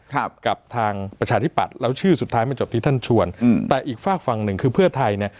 ครับกับทางประชาธิปัตย์แล้วชื่อสุดท้ายมันจบที่ท่านชวนอืมแต่อีกฝากฝั่งหนึ่งคือเพื่อไทยเนี่ย